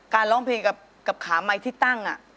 ร้องเพลงกับขาไมค์ที่ตั้ง